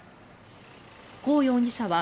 コウ容疑者は